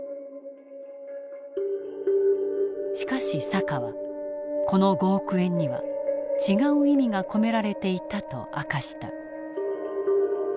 しかし坂はこの５億円には違う意味が込められていたと明かした。